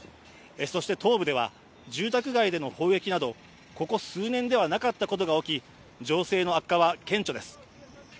そして東部では住宅街での攻撃などここ数年ではなかったことが起き、情勢の悪化は顕著です。